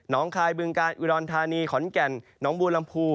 คายบึงกาลอุดรธานีขอนแก่นน้องบัวลำพู